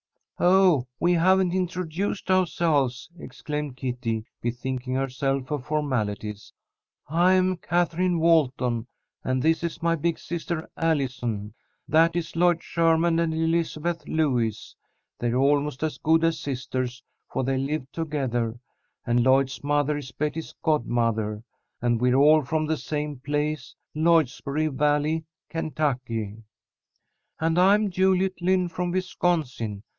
"Oh, we haven't introduced ourselves," exclaimed Kitty, bethinking herself of formalities. "I am Katherine Walton, and this is my big sister, Allison. That is Lloyd Sherman and Elizabeth Lewis. They're almost as good as sisters, for they live together, and Lloyd's mother is Betty's godmother. And we're all from the same place, Lloydsboro Valley, Kentucky." "And I am Juliet Lynn from Wisconsin.